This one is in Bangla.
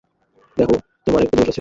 দেখো, তোমার একটা দোষ আছে।